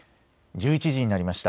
１１時になりました。